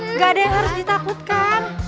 nggak ada yang harus ditakutkan